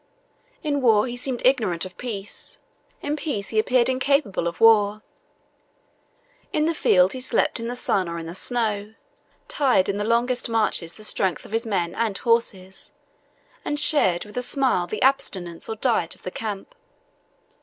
In war he seemed ignorant of peace, in peace he appeared incapable of war. In the field he slept in the sun or in the snow, tired in the longest marches the strength of his men and horses, and shared with a smile the abstinence or diet of the camp.